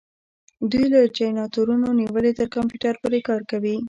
دوی له جنراتورونو نیولې تر کمپیوټر پورې کار کوي.